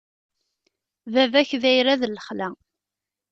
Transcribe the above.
Baba-k d ayrad n lexla.